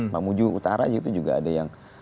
mamuju utara gitu juga ada yang